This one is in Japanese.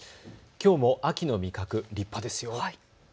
きょうも秋の味覚、立派ですよ。